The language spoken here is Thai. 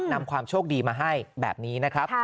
นำความโชคดีมาให้แบบนี้นะครับ